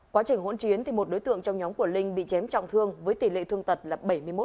quá trình hỗn chiến một đối tượng trong nhóm của linh bị chém trọng thương với tỷ lệ thương tật là bảy mươi một